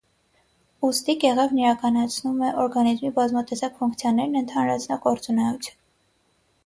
Ուստի կեղևն իրականացնում է օրգանիզմի բազմատեսակ ֆունկցիաներն ընդհանրացնող գործունեություն։